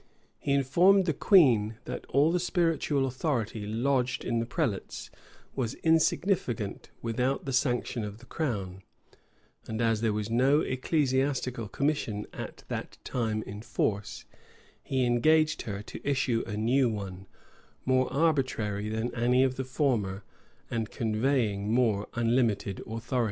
He informed the queen, that all the spiritual authority lodged in the prelates was insignificant without the sanction of the crown; and as there was no ecclesiastical commission at that time in force, he engaged her to issue a new one, more arbitrary than any of the former, and conveying more unlimited authority.